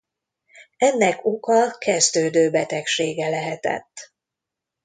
Ennek oka kezdődő betegsége lehetett.